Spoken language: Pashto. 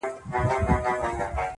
او خپل سر يې د لينگو پر آمسا کښېښود,